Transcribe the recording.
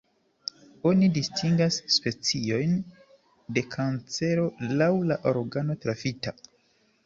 Oni distingas specojn de kancero laŭ la organo trafita.